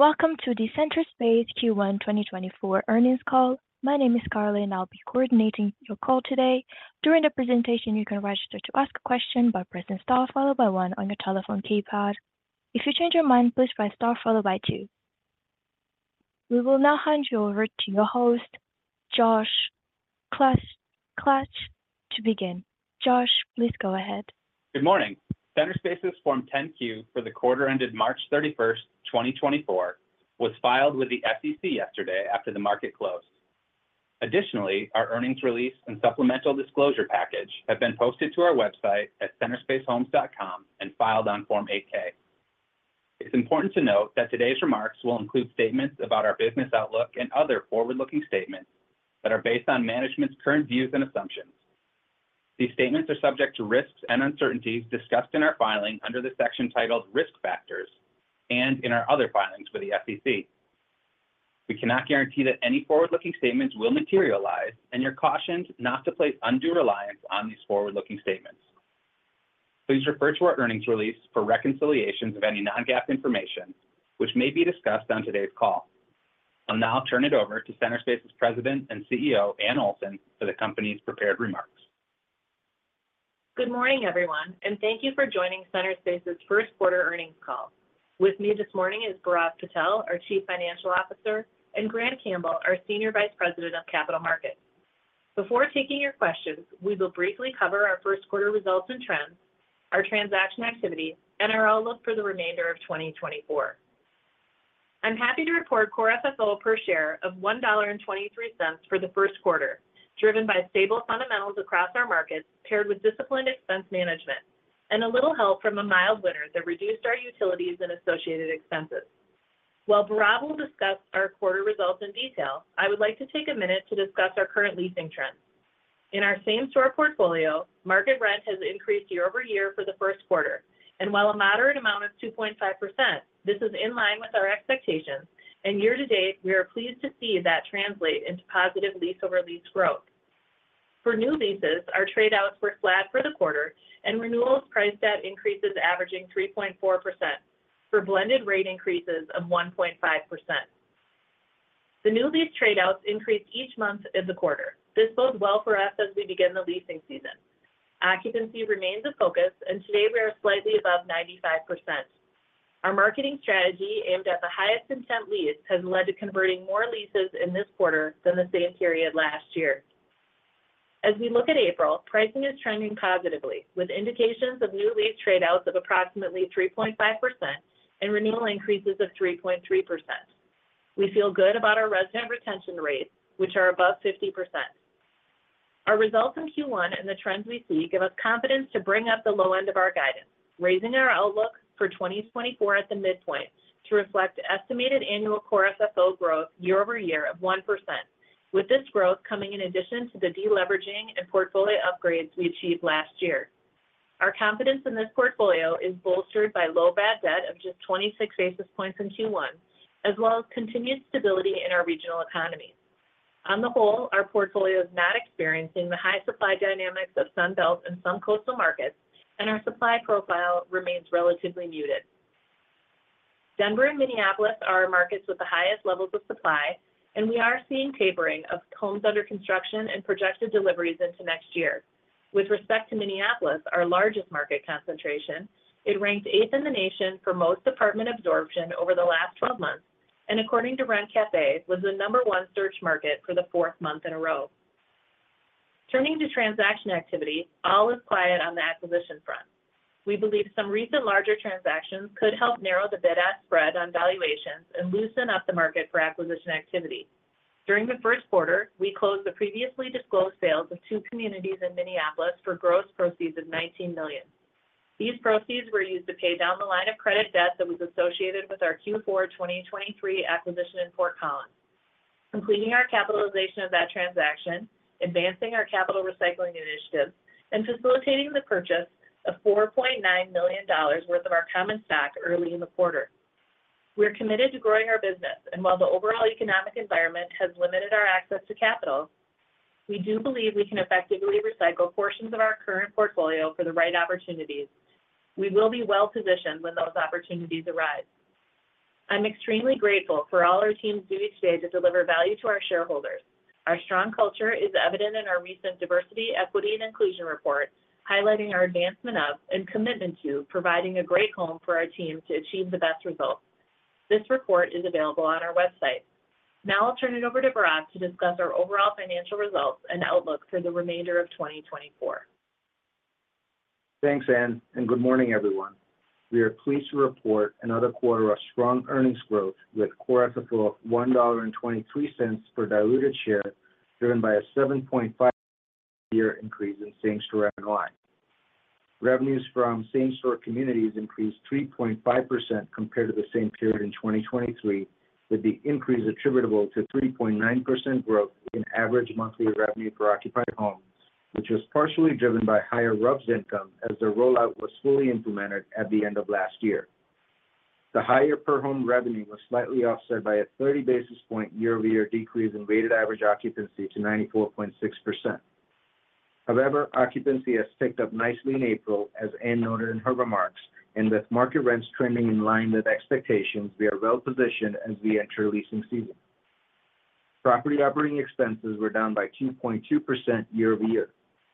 Welcome to the Centerspace Q1 2024 earnings call. My name is Carly, and I'll be coordinating your call today. During the presentation, you can register to ask a question by pressing star, followed by 1 on your telephone keypad. If you change your mind, please press star, followed by 2. We will now hand you over to your host, Josh Klaetsch, to begin. Josh, please go ahead. Good morning. Centerspace's Form 10-Q for the quarter-ended March 31, 2024, was filed with the SEC yesterday after the market closed. Additionally, our earnings release and supplemental disclosure package have been posted to our website at centerspacehomes.com and filed on Form 8-K. It's important to note that today's remarks will include statements about our business outlook and other forward-looking statements that are based on management's current views and assumptions. These statements are subject to risks and uncertainties discussed in our filing under the section titled Risk Factors and in our other filings with the SEC. We cannot guarantee that any forward-looking statements will materialize, and you're cautioned not to place undue reliance on these forward-looking statements. Please refer to our earnings release for reconciliations of any non-GAAP information, which may be discussed on today's call. I'll now turn it over to Centerspace's President and CEO, Anne Olson, for the company's prepared remarks. Good morning, everyone, and thank you for joining Centerspace's first quarter earnings call. With me this morning is Bhairav Patel, our Chief Financial Officer, and Grant Campbell, our Senior Vice President of Capital Markets. Before taking your questions, we will briefly cover our first quarter results and trends, our transaction activity, and our outlook for the remainder of 2024. I'm happy to report Core FFO per share of $1.23 for the first quarter, driven by stable fundamentals across our markets paired with disciplined expense management and a little help from a mild winter that reduced our utilities and associated expenses. While Bhairav will discuss our quarter results in detail, I would like to take a minute to discuss our current leasing trends. In our same-store portfolio, market rent has increased year-over-year for the first quarter, and while a moderate amount of 2.5%, this is in line with our expectations, and year to date we are pleased to see that translate into positive lease-over-lease growth. For new leases, our tradeouts were flat for the quarter, and renewals priced at increases averaging 3.4% for blended rate increases of 1.5%. The new lease tradeouts increase each month of the quarter. This bodes well for us as we begin the leasing season. Occupancy remains a focus, and today we are slightly above 95%. Our marketing strategy aimed at the highest intent lease has led to converting more leases in this quarter than the same period last year. As we look at April, pricing is trending positively, with indications of new lease tradeouts of approximately 3.5% and renewal increases of 3.3%. We feel good about our resident retention rates, which are above 50%. Our results in Q1 and the trends we see give us confidence to bring up the low end of our guidance, raising our outlook for 2024 at the midpoint to reflect estimated annual Core FFO growth year-over-year of 1%, with this growth coming in addition to the deleveraging and portfolio upgrades we achieved last year. Our confidence in this portfolio is bolstered by low bad debt of just 26 basis points in Q1, as well as continued stability in our regional economies. On the whole, our portfolio is not experiencing the high supply dynamics of Sunbelt and some coastal markets, and our supply profile remains relatively muted. Denver and Minneapolis are our markets with the highest levels of supply, and we are seeing tapering of homes under construction and projected deliveries into next year. With respect to Minneapolis, our largest market concentration, it ranked eighth in the nation for most apartment absorption over the last 12 months and, according to RentCafe, was the number one search market for the fourth month in a row. Turning to transaction activity, all is quiet on the acquisition front. We believe some recent larger transactions could help narrow the bid-ask spread on valuations and loosen up the market for acquisition activity. During the first quarter, we closed the previously disclosed sales of two communities in Minneapolis for gross proceeds of $19 million. These proceeds were used to pay down the line of credit debt that was associated with our Q4 2023 acquisition in Fort Collins, completing our capitalization of that transaction, advancing our capital recycling initiatives, and facilitating the purchase of $4.9 million worth of our common stock early in the quarter. We are committed to growing our business, and while the overall economic environment has limited our access to capital, we do believe we can effectively recycle portions of our current portfolio for the right opportunities. We will be well positioned when those opportunities arise. I'm extremely grateful for all our teams doing today to deliver value to our shareholders. Our strong culture is evident in our recent Diversity, Equity, and Inclusion report, highlighting our advancement of and commitment to providing a great home for our team to achieve the best results. This report is available on our website. Now I'll turn it over to Bhairav to discuss our overall financial results and outlook for the remainder of 2024. Thanks, Anne, and good morning, everyone. We are pleased to report another quarter of strong earnings growth with Core FFO of $1.23 per diluted share, driven by a 7.5% year-over-year increase in same-store NOI. Revenues from same-store communities increased 3.5% compared to the same period in 2023, with the increase attributable to 3.9% growth in average monthly revenue for occupied homes, which was partially driven by higher RUBS income as the rollout was fully implemented at the end of last year. The higher per-home revenue was slightly offset by a 30 basis point year-over-year decrease in weighted average occupancy to 94.6%. However, occupancy has picked up nicely in April, as Anne noted in her remarks, and with market rents trending in line with expectations, we are well positioned as we enter leasing season. Property operating expenses were down by 2.2% year-over-year.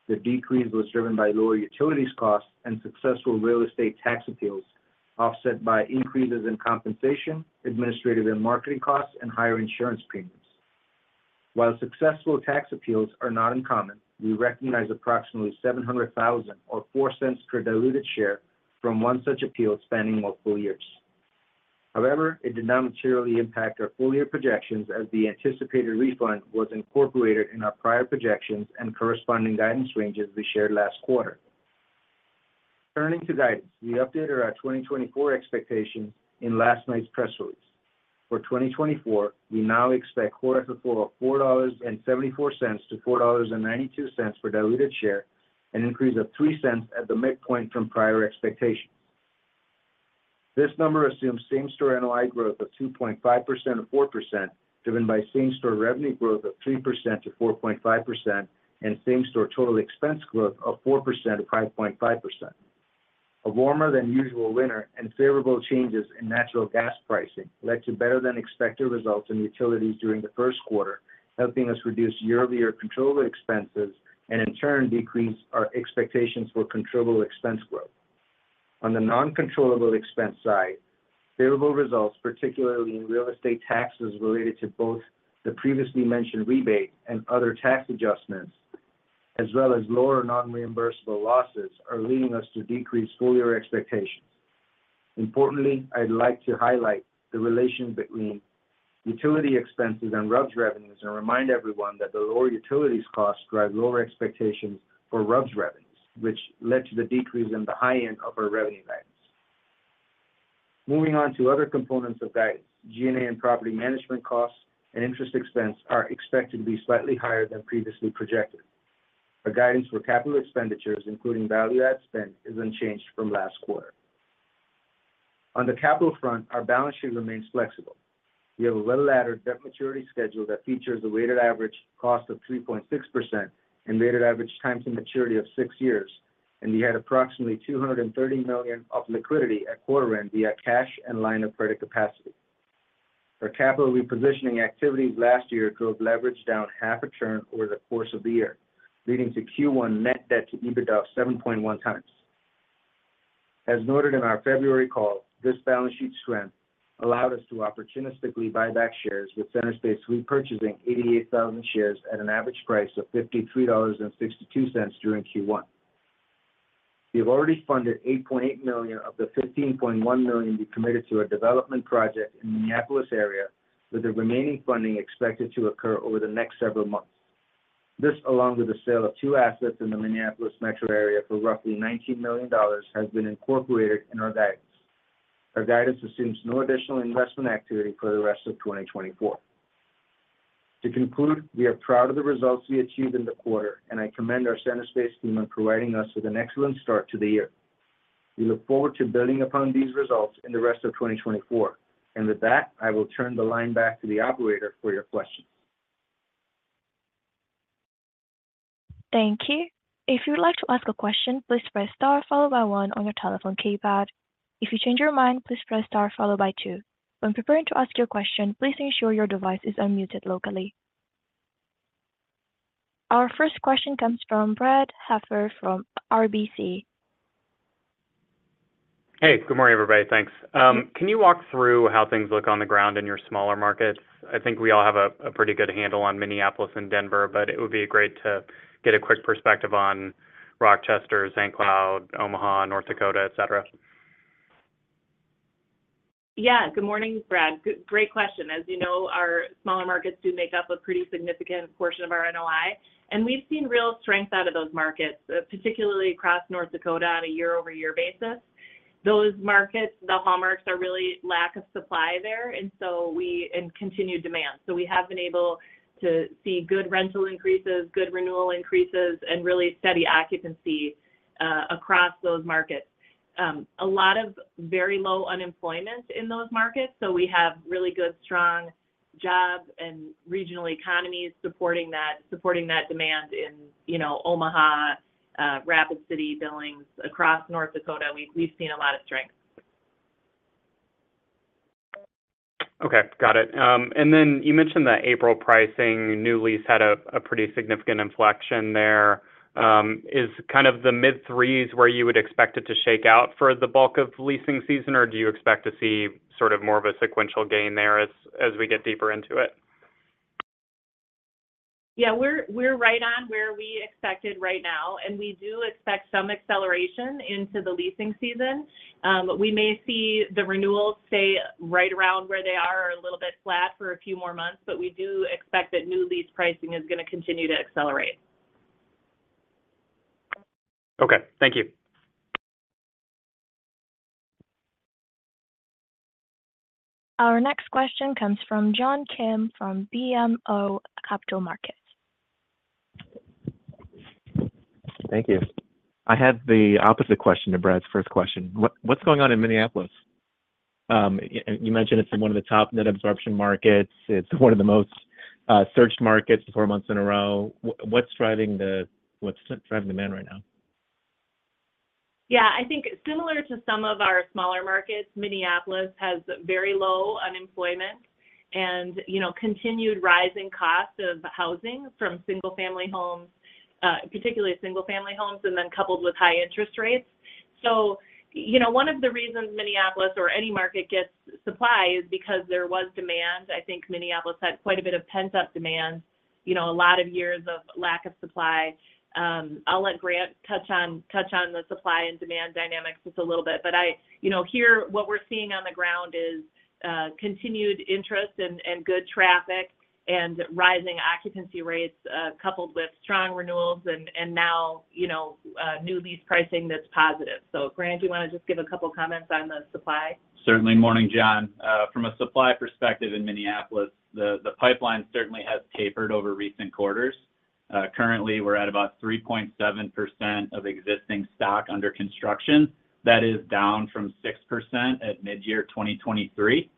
The decrease was driven by lower utilities costs and successful real estate tax appeals, offset by increases in compensation, administrative and marketing costs, and higher insurance premiums. While successful tax appeals are not uncommon, we recognize approximately $700,000 or $0.04 per diluted share from one such appeal spanning multiple years. However, it did not materially impact our full-year projections as the anticipated refund was incorporated in our prior projections and corresponding guidance ranges we shared last quarter. Turning to guidance, we updated our 2024 expectations in last night's press release. For 2024, we now expect Core FFO of $4.74-$4.92 per diluted share, an increase of $0.03 at the midpoint from prior expectations. This number assumes same-store NOI growth of 2.5% or 4%, driven by same-store revenue growth of 3%-4.5%, and same-store total expense growth of 4% or 5.5%. A warmer than usual winter and favorable changes in natural gas pricing led to better than expected results in utilities during the first quarter, helping us reduce year-over-year controllable expenses and, in turn, decrease our expectations for controllable expense growth. On the non-controllable expense side, favorable results, particularly in real estate taxes related to both the previously mentioned rebate and other tax adjustments, as well as lower non-reimbursable losses, are leading us to decrease full-year expectations. Importantly, I'd like to highlight the relation between utility expenses and RUBS revenues and remind everyone that the lower utilities costs drive lower expectations for RUBS revenues, which led to the decrease in the high end of our revenue guidance. Moving on to other components of guidance, G&A and property management costs and interest expense are expected to be slightly higher than previously projected. Our guidance for capital expenditures, including value-add spend, is unchanged from last quarter. On the capital front, our balance sheet remains flexible. We have a well-laddered debt maturity schedule that features a weighted average cost of 3.6% and weighted average time to maturity of six years, and we had approximately $230 million of liquidity at quarter end via cash and line of credit capacity. Our capital repositioning activities last year drove leverage down half a turn over the course of the year, leading to Q1 net debt to EBITDA of 7.1x. As noted in our February call, this balance sheet strength allowed us to opportunistically buy back shares, with Centerspace repurchasing 88,000 shares at an average price of $53.62 during Q1. We have already funded $8.8 million of the $15.1 million we committed to a development project in the Minneapolis area, with the remaining funding expected to occur over the next several months. This, along with the sale of two assets in the Minneapolis metro area for roughly $19 million, has been incorporated in our guidance. Our guidance assumes no additional investment activity for the rest of 2024. To conclude, we are proud of the results we achieved in the quarter, and I commend our Centerspace team on providing us with an excellent start to the year. We look forward to building upon these results in the rest of 2024. With that, I will turn the line back to the operator for your questions. Thank you. If you would like to ask a question, please press Star, followed by 1 on your telephone keypad. If you change your mind, please press Star, followed by 2. When preparing to ask your question, please ensure your device is unmuted locally. Our first question comes from Brad Heffern from RBC. Hey, good morning, everybody. Thanks. Can you walk through how things look on the ground in your smaller markets? I think we all have a pretty good handle on Minneapolis and Denver, but it would be great to get a quick perspective on Rochester, St. Cloud, Omaha, North Dakota, etc. Yeah. Good morning, Brad. Great question. As you know, our smaller markets do make up a pretty significant portion of our NOI, and we've seen real strength out of those markets, particularly across North Dakota on a year-over-year basis. Those markets, the hallmarks are really lack of supply there and continued demand. So we have been able to see good rental increases, good renewal increases, and really steady occupancy across those markets. A lot of very low unemployment in those markets. So we have really good, strong job and regional economies supporting that demand in Omaha, Rapid City, Billings, across North Dakota. We've seen a lot of strength. Okay. Got it. Then you mentioned that April pricing, new lease had a pretty significant inflection there. Is kind of the mid-threes where you would expect it to shake out for the bulk of leasing season, or do you expect to see sort of more of a sequential gain there as we get deeper into it? Yeah. We're right on where we expected right now, and we do expect some acceleration into the leasing season. We may see the renewals stay right around where they are or a little bit flat for a few more months, but we do expect that new lease pricing is going to continue to accelerate. Okay. Thank you. Our next question comes from John Kim from BMO Capital Markets. Thank you. I had the opposite question to Brad's first question. What's going on in Minneapolis? You mentioned it's one of the top net absorption markets. It's one of the most searched markets four months in a row. What's driving the demand right now? Yeah. I think similar to some of our smaller markets, Minneapolis has very low unemployment and continued rising costs of housing from single-family homes, particularly single-family homes, and then coupled with high interest rates. So one of the reasons Minneapolis or any market gets supply is because there was demand. I think Minneapolis had quite a bit of pent-up demand, a lot of years of lack of supply. I'll let Grant touch on the supply and demand dynamics just a little bit. But here, what we're seeing on the ground is continued interest and good traffic and rising occupancy rates coupled with strong renewals and now new lease pricing that's positive. So, Grant, do you want to just give a couple of comments on the supply? Certainly. Morning, John. From a supply perspective in Minneapolis, the pipeline certainly has tapered over recent quarters. Currently, we're at about 3.7% of existing stock under construction. That is down from 6% at mid-year 2023.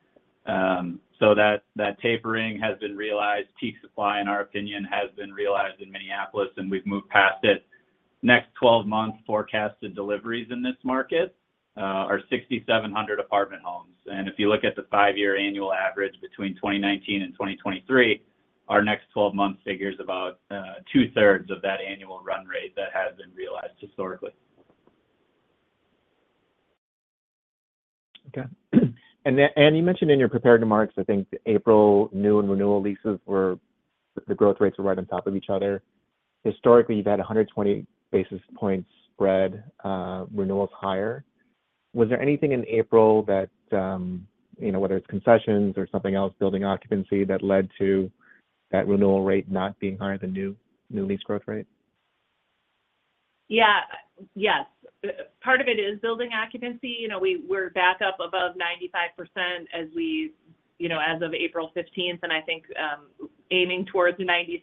So that tapering has been realized. Peak supply, in our opinion, has been realized in Minneapolis, and we've moved past it. Next 12 months forecasted deliveries in this market are 6,700 apartment homes. And if you look at the five-year annual average between 2019 and 2023, our next 12 months figures about two-thirds of that annual run rate that has been realized historically. Okay. And Anne, you mentioned in your prepared remarks, I think April, new and renewal leases were the growth rates were right on top of each other. Historically, you've had 120 basis points spread renewals higher. Was there anything in April that, whether it's concessions or something else, building occupancy, that led to that renewal rate not being higher than new lease growth rate? Yeah. Yes. Part of it is building occupancy. We're back up above 95% as of April 15th, and I think aiming towards 96%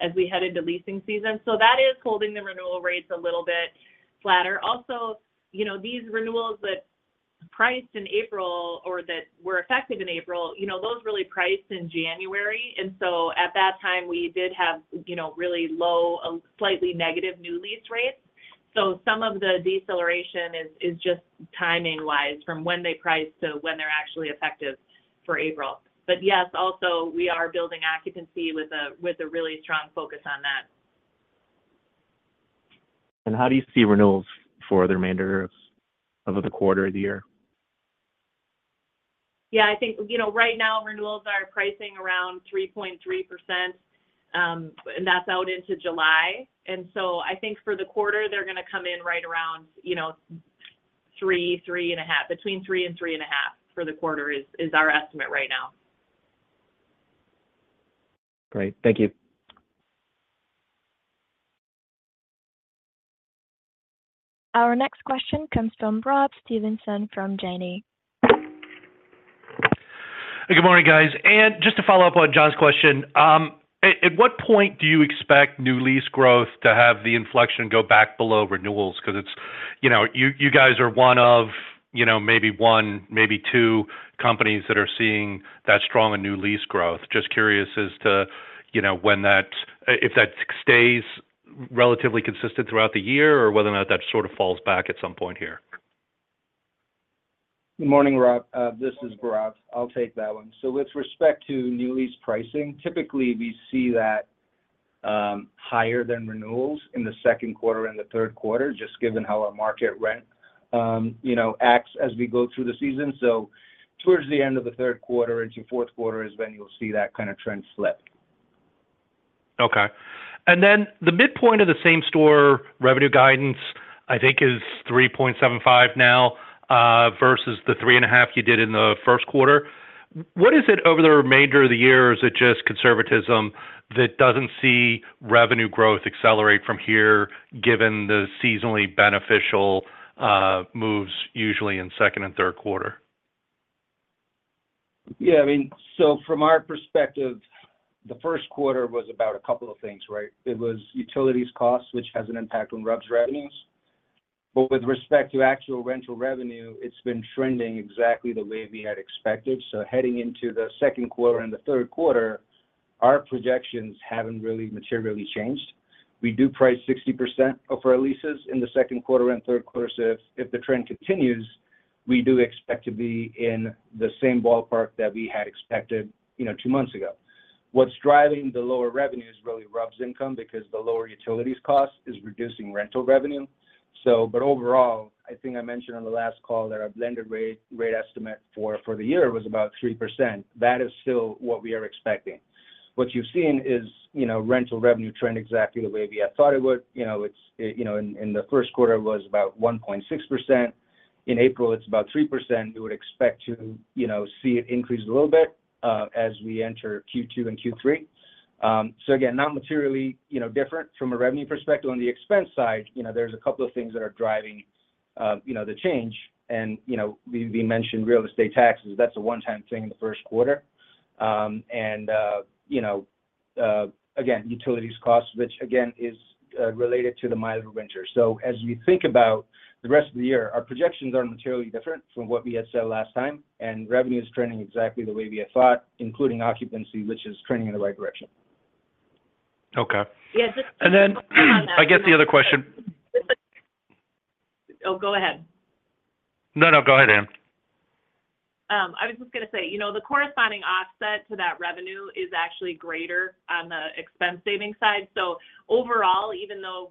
as we head into leasing season. So that is holding the renewal rates a little bit flatter. Also, these renewals that priced in April or that were effective in April, those really priced in January. And so at that time, we did have really low, slightly negative new lease rates. So some of the deceleration is just timing-wise from when they priced to when they're actually effective for April. But yes, also, we are building occupancy with a really strong focus on that. How do you see renewals for the remainder of the quarter of the year? Yeah. I think right now, renewals are pricing around 3.3%, and that's out into July. And so I think for the quarter, they're going to come in right around 3%-3.5%. Between 3%-3.5% for the quarter is our estimate right now. Great. Thank you. Our next question comes from Rob Stevenson from Janney. Hey, good morning, guys. Just to follow up on John's question, at what point do you expect new lease growth to have the inflection go back below renewals? Because you guys are one of maybe one, maybe two companies that are seeing that strong new lease growth. Just curious as to when that if that stays relatively consistent throughout the year or whether or not that sort of falls back at some point here. Good morning, Rob. This is Bhairav. I'll take that one. So with respect to new lease pricing, typically, we see that higher than renewals in the second quarter and the third quarter, just given how our market rent acts as we go through the season. So towards the end of the third quarter into fourth quarter is when you'll see that kind of trend flip. Okay. And then the midpoint of the same-store revenue guidance, I think, is 3.75 now versus the 3.5 you did in the first quarter. What is it over the remainder of the year? Is it just conservatism that doesn't see revenue growth accelerate from here given the seasonally beneficial moves usually in second and third quarter? Yeah. I mean, so from our perspective, the first quarter was about a couple of things, right? It was utilities costs, which has an impact on RUBS revenues. But with respect to actual rental revenue, it's been trending exactly the way we had expected. So heading into the second quarter and the third quarter, our projections haven't really materially changed. We do price 60% for leases in the second quarter and third quarter. So if the trend continues, we do expect to be in the same ballpark that we had expected two months ago. What's driving the lower revenue is really RUBS income because the lower utilities cost is reducing rental revenue. But overall, I think I mentioned on the last call that our blended rate estimate for the year was about 3%. That is still what we are expecting. What you've seen is rental revenue trend exactly the way we had thought it would. In the first quarter, it was about 1.6%. In April, it's about 3%. We would expect to see it increase a little bit as we enter Q2 and Q3. Again, not materially different from a revenue perspective. On the expense side, there's a couple of things that are driving the change. We mentioned real estate taxes. That's a one-time thing in the first quarter. Again, utilities costs, which again is related to the milder winter. As we think about the rest of the year, our projections aren't materially different from what we had said last time, and revenue is trending exactly the way we had thought, including occupancy, which is trending in the right direction. Okay. And then I guess the other question. Oh, go ahead. No, no. Go ahead, Anne. I was just going to say the corresponding offset to that revenue is actually greater on the expense saving side. So overall, even though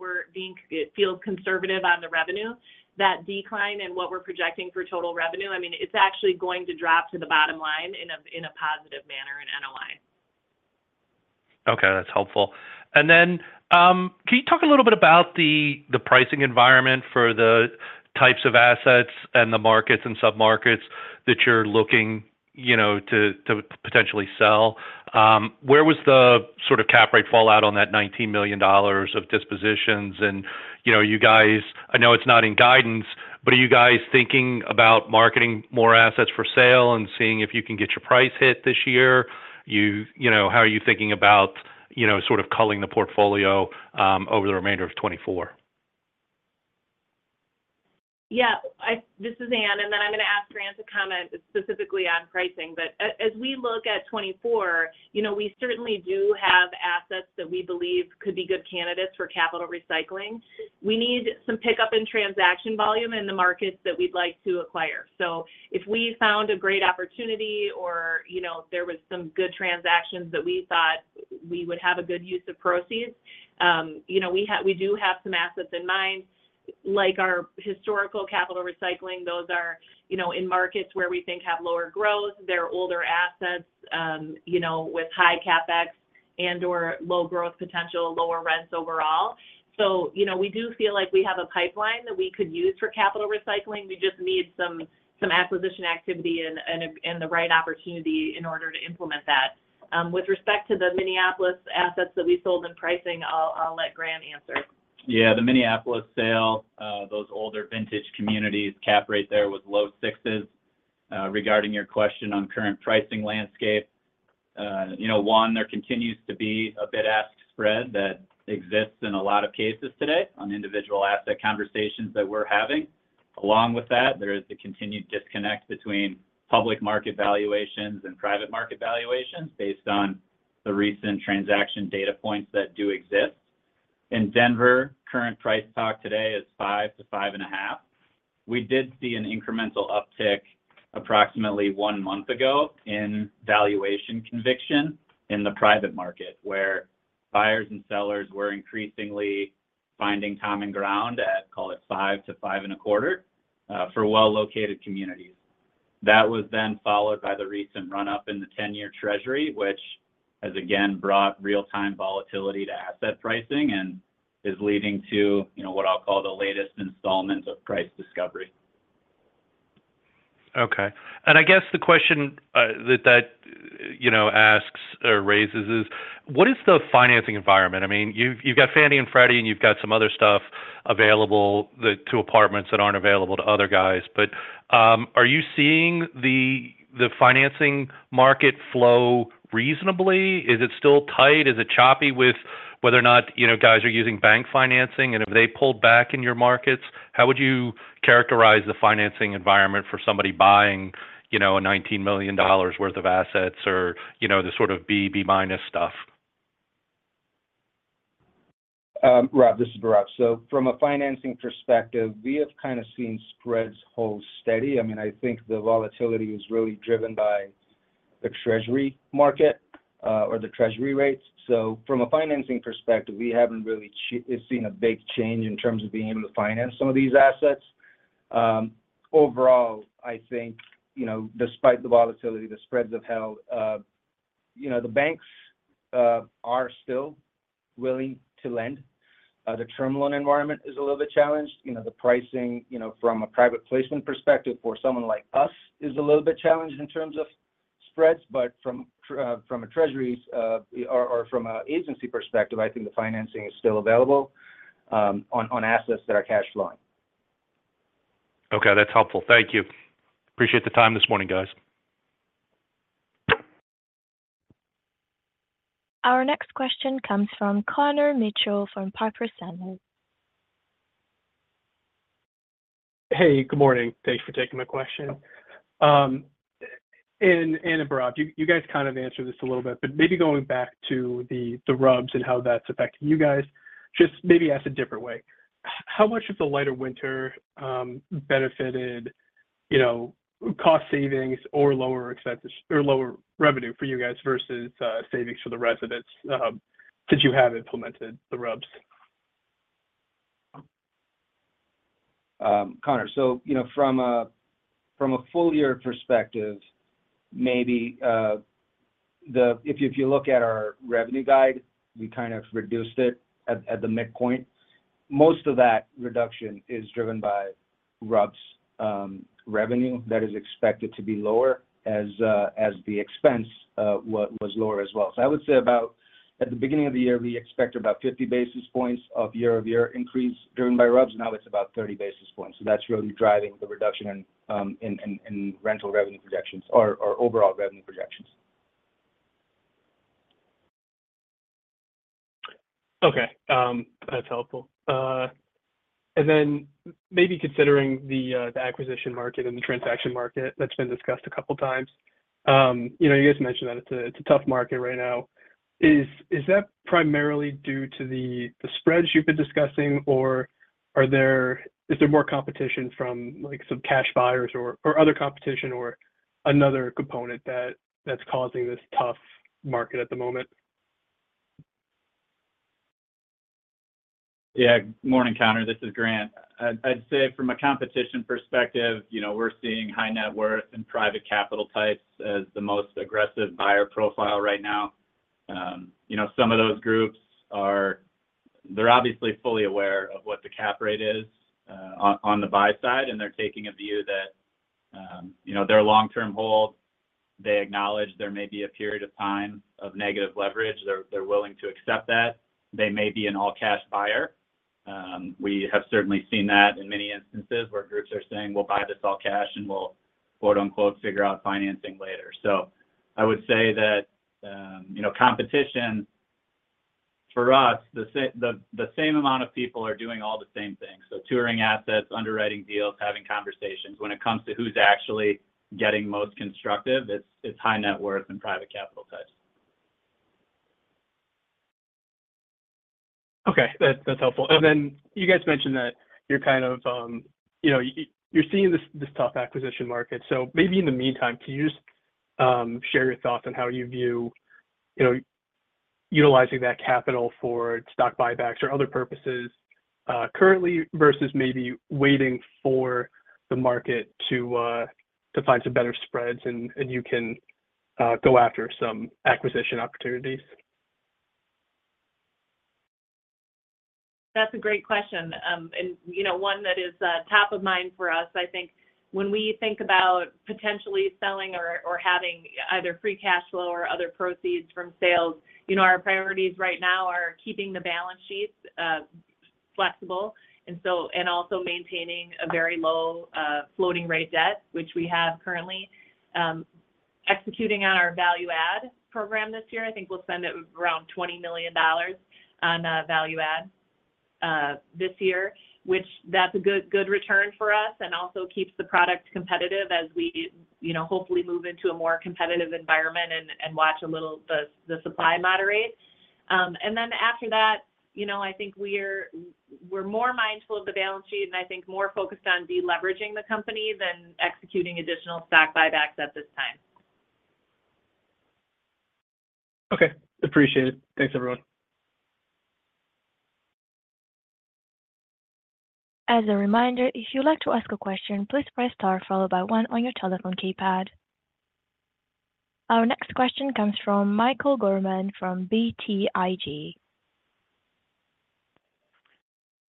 it feels conservative on the revenue, that decline in what we're projecting for total revenue, I mean, it's actually going to drop to the bottom line in a positive manner in NOI. Okay. That's helpful. And then can you talk a little bit about the pricing environment for the types of assets and the markets and submarkets that you're looking to potentially sell? Where was the sort of cap rate fallout on that $19 million of dispositions? And you guys, I know it's not in guidance, but are you guys thinking about marketing more assets for sale and seeing if you can get your price hit this year? How are you thinking about sort of culling the portfolio over the remainder of 2024? Yeah. This is Anne. And then I'm going to ask Grant to comment specifically on pricing. But as we look at 2024, we certainly do have assets that we believe could be good candidates for capital recycling. We need some pickup and transaction volume in the markets that we'd like to acquire. So if we found a great opportunity or there was some good transactions that we thought we would have a good use of proceeds, we do have some assets in mind. Like our historical capital recycling, those are in markets where we think have lower growth. They're older assets with high CapEx and/or low growth potential, lower rents overall. So we do feel like we have a pipeline that we could use for capital recycling. We just need some acquisition activity and the right opportunity in order to implement that. With respect to the Minneapolis assets that we sold in pricing, I'll let Grant answer. Yeah. The Minneapolis sale, those older vintage communities, cap rate there was low 6s. Regarding your question on current pricing landscape, one, there continues to be a bid-ask spread that exists in a lot of cases today on individual asset conversations that we're having. Along with that, there is the continued disconnect between public market valuations and private market valuations based on the recent transaction data points that do exist. In Denver, current price talk today is 5-5.5. We did see an incremental uptick approximately one month ago in valuation conviction in the private market where buyers and sellers were increasingly finding common ground at, call it, 5-5.25 for well-located communities. That was then followed by the recent run-up in the 10-year Treasury, which has, again, brought real-time volatility to asset pricing and is leading to what I'll call the latest installment of price discovery. Okay. And I guess the question that that asks or raises is, what is the financing environment? I mean, you've got Fannie and Freddie, and you've got some other stuff available to apartments that aren't available to other guys. But are you seeing the financing market flow reasonably? Is it still tight? Is it choppy with whether or not guys are using bank financing? And if they pulled back in your markets, how would you characterize the financing environment for somebody buying a $19 million worth of assets or the sort of B, B-minus stuff? Rob, this is Bhairav. So from a financing perspective, we have kind of seen spreads hold steady. I mean, I think the volatility is really driven by the treasury market or the treasury rates. So from a financing perspective, we haven't really seen a big change in terms of being able to finance some of these assets. Overall, I think despite the volatility, the spreads have held. The banks are still willing to lend. The term loan environment is a little bit challenged. The pricing from a private placement perspective for someone like us is a little bit challenged in terms of spreads. But from a treasury or from an agency perspective, I think the financing is still available on assets that are cash-flowing. Okay. That's helpful. Thank you. Appreciate the time this morning, guys. Our next question comes from Connor Mitchell from Piper Sandler. Hey, good morning. Thanks for taking my question. Anne and Bob, you guys kind of answered this a little bit, but maybe going back to the RUBS and how that's affected you guys, just maybe ask a different way. How much of the lighter winter benefited cost savings or lower revenue for you guys versus savings for the residents since you have implemented the RUBS? Connor, so from a full-year perspective, maybe if you look at our revenue guide, we kind of reduced it at the midpoint. Most of that reduction is driven by RUBS revenue that is expected to be lower as the expense was lower as well. So I would say about at the beginning of the year, we expected about 50 basis points of year-over-year increase driven by RUBS. Now it's about 30 basis points. So that's really driving the reduction in rental revenue projections or overall revenue projections. Okay. That's helpful. And then maybe considering the acquisition market and the transaction market that's been discussed a couple of times, you guys mentioned that it's a tough market right now. Is that primarily due to the spreads you've been discussing, or is there more competition from some cash buyers or other competition or another component that's causing this tough market at the moment? Yeah. Good morning, Connor. This is Grant. I'd say from a competition perspective, we're seeing high net worth and private capital types as the most aggressive buyer profile right now. Some of those groups, they're obviously fully aware of what the cap rate is on the buy side, and they're taking a view that they're a long-term hold. They acknowledge there may be a period of time of negative leverage. They're willing to accept that. They may be an all-cash buyer. We have certainly seen that in many instances where groups are saying, "We'll buy this all cash, and we'll, quote-unquote, figure out financing later." So I would say that competition for us, the same amount of people are doing all the same things. So touring assets, underwriting deals, having conversations. When it comes to who's actually getting most constructive, it's high net worth and private capital types. Okay. That's helpful. And then you guys mentioned that you're kind of seeing this tough acquisition market. So maybe in the meantime, can you just share your thoughts on how you view utilizing that capital for stock buybacks or other purposes currently versus maybe waiting for the market to find some better spreads and you can go after some acquisition opportunities? That's a great question. And one that is top of mind for us, I think, when we think about potentially selling or having either free cash flow or other proceeds from sales, our priorities right now are keeping the balance sheets flexible and also maintaining a very low floating-rate debt, which we have currently. Executing on our value-add program this year, I think we'll spend around $20 million on value-add this year, which that's a good return for us and also keeps the product competitive as we hopefully move into a more competitive environment and watch a little the supply moderate. And then after that, I think we're more mindful of the balance sheet and I think more focused on deleveraging the company than executing additional stock buybacks at this time. Okay. Appreciate it. Thanks, everyone. As a reminder, if you'd like to ask a question, please press star followed by 1 on your telephone keypad. Our next question comes from Michael Gorman from BTIG.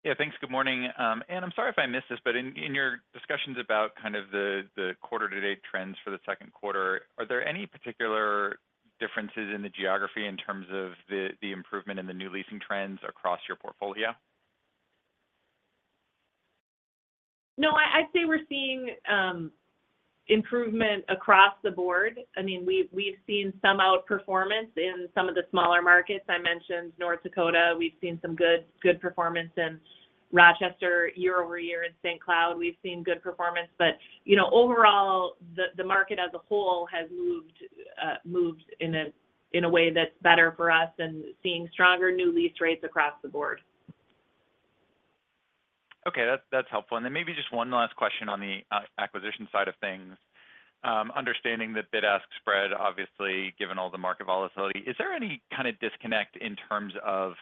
Yeah. Thanks. Good morning. Anne, I'm sorry if I missed this, but in your discussions about kind of the quarter-to-date trends for the second quarter, are there any particular differences in the geography in terms of the improvement in the new leasing trends across your portfolio? No, I'd say we're seeing improvement across the board. I mean, we've seen some outperformance in some of the smaller markets. I mentioned North Dakota. We've seen some good performance in Rochester year-over-year and St. Cloud. We've seen good performance. But overall, the market as a whole has moved in a way that's better for us and seeing stronger new lease rates across the board. Okay. That's helpful. And then maybe just one last question on the acquisition side of things. Understanding the bid-ask spread, obviously, given all the market volatility, is there any kind of disconnect in terms of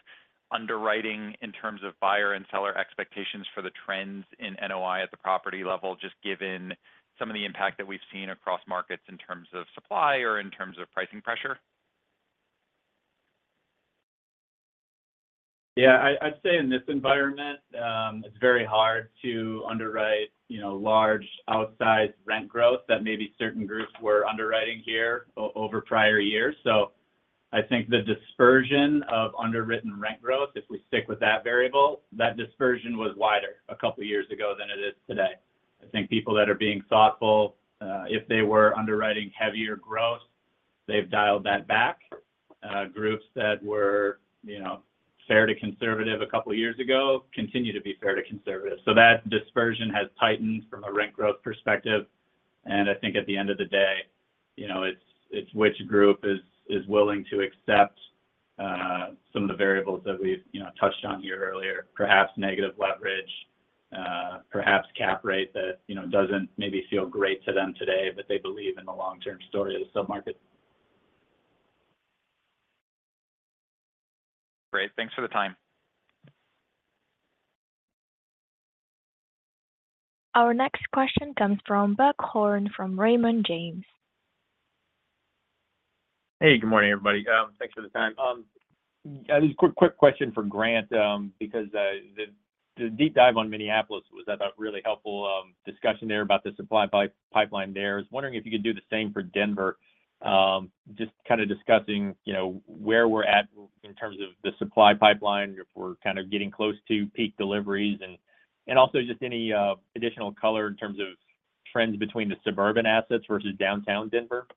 underwriting in terms of buyer and seller expectations for the trends in NOI at the property level, just given some of the impact that we've seen across markets in terms of supply or in terms of pricing pressure? Yeah. I'd say in this environment, it's very hard to underwrite large outsized rent growth that maybe certain groups were underwriting here over prior years. So I think the dispersion of underwritten rent growth, if we stick with that variable, that dispersion was wider a couple of years ago than it is today. I think people that are being thoughtful, if they were underwriting heavier growth, they've dialed that back. Groups that were fair to conservative a couple of years ago continue to be fair to conservative. So that dispersion has tightened from a rent growth perspective. And I think at the end of the day, it's which group is willing to accept some of the variables that we've touched on here earlier, perhaps negative leverage, perhaps cap rate that doesn't maybe feel great to them today, but they believe in the long-term story of the submarket. Great. Thanks for the time. Our next question comes from Buck Horne from Raymond James. Hey. Good morning, everybody. Thanks for the time. I have this quick question for Grant because the deep dive on Minneapolis was, I thought, a really helpful discussion there about the supply pipeline there. I was wondering if you could do the same for Denver, just kind of discussing where we're at in terms of the supply pipeline, if we're kind of getting close to peak deliveries, and also just any additional color in terms of trends between the suburban assets versus downtown Denver.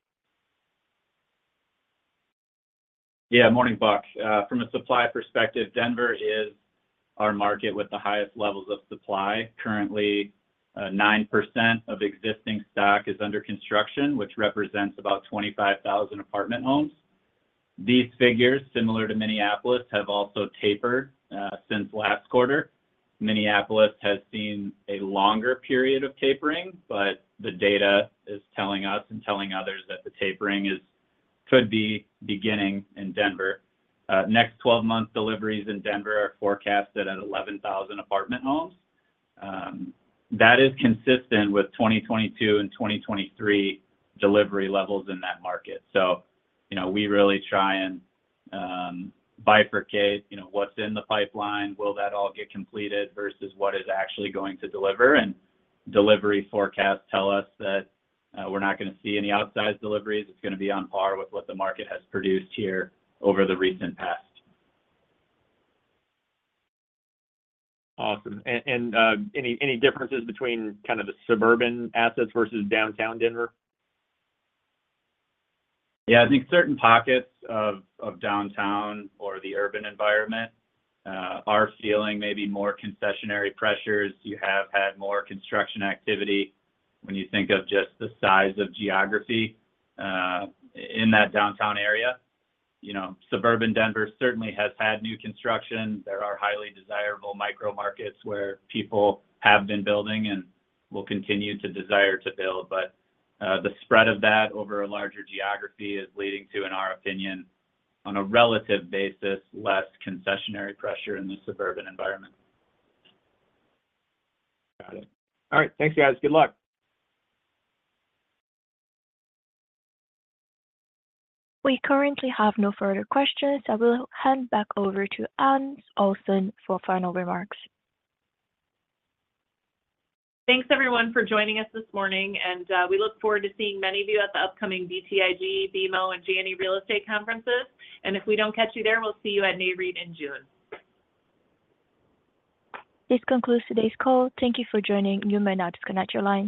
Yeah. Morning, Buck. From a supply perspective, Denver is our market with the highest levels of supply. Currently, 9% of existing stock is under construction, which represents about 25,000 apartment homes. These figures, similar to Minneapolis, have also tapered since last quarter. Minneapolis has seen a longer period of tapering, but the data is telling us and telling others that the tapering could be beginning in Denver. Next 12-month deliveries in Denver are forecasted at 11,000 apartment homes. That is consistent with 2022 and 2023 delivery levels in that market. So we really try and bifurcate what's in the pipeline. Will that all get completed versus what is actually going to deliver? And delivery forecasts tell us that we're not going to see any outsized deliveries. It's going to be on par with what the market has produced here over the recent past. Awesome. Any differences between kind of the suburban assets versus downtown Denver? Yeah. I think certain pockets of downtown or the urban environment are feeling maybe more concessionary pressures. You have had more construction activity when you think of just the size of geography in that downtown area. Suburban Denver certainly has had new construction. There are highly desirable micro-markets where people have been building and will continue to desire to build. But the spread of that over a larger geography is leading to, in our opinion, on a relative basis, less concessionary pressure in the suburban environment. Got it. All right. Thanks, guys. Good luck. We currently have no further questions, so I will hand back over to Anne Olson for final remarks. Thanks, everyone, for joining us this morning. We look forward to seeing many of you at the upcoming BTIG, BMO, and Janney real estate conferences. If we don't catch you there, we'll see you at Nareit in June. This concludes today's call. Thank you for joining. You may now disconnect your line.